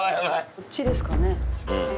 こっちですかね？